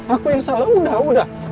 aku yang salah sarah